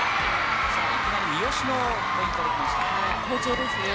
いきなり三好のポイントできました好調ですね